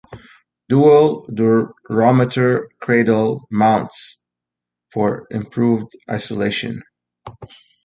Dual durometer cradle mounts for improved isolation.